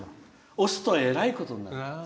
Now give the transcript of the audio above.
押すと、えらいことになる。